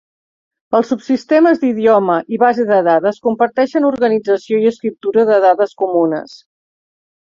Els subsistemes d'idioma i base de dades comparteixen organització i escriptura de dades comunes.